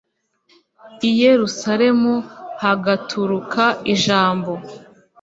i yerusalemu hagaturuka ijambo